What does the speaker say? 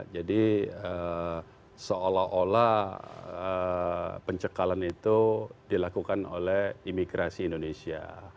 jadi seolah olah pencekalan itu dilakukan oleh imigrasi indonesia